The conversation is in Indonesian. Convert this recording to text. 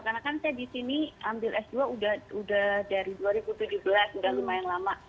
karena kan saya di sini ambil s dua udah dari dua ribu tujuh belas udah lumayan lama